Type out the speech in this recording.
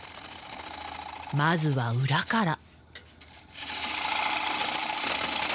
まずは裏から。